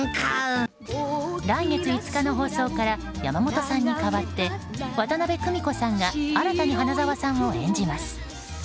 来月５日の放送から山本さんに代わって渡辺久美子さんが新たに花沢さんを演じます。